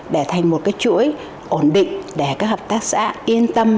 để thành một cái chuỗi ổn định để các hợp tác xã yên tâm